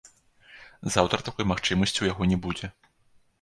Заўтра такой магчымасці ў яго не будзе.